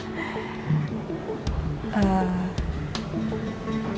amin terima kasih pak